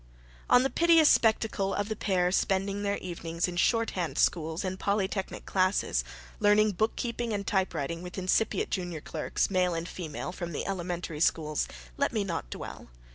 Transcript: On the piteous spectacle of the pair spending their evenings in shorthand schools and polytechnic classes, learning bookkeeping and typewriting with incipient junior clerks, male and female, from the elementary schools, let me not dwell.